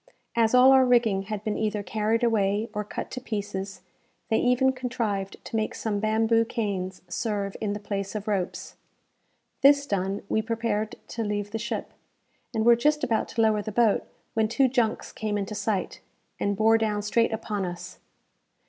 As all our rigging had been either carried away, or cut to pieces, they even contrived to make some bamboo canes serve in the place of ropes. This done, we prepared to leave the ship, and were just about to lower the boat, when two junks came into sight, and bore down straight upon us.